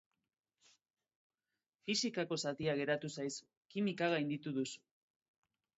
Fisikako zatia geratu zaizu, kimika gainditu duzu.